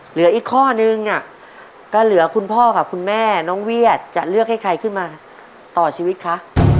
เหลืออีกข้อนึงก็เหลือคุณพ่อกับคุณแม่น้องเวียดจะเลือกให้ใครขึ้นมาต่อชีวิตคะ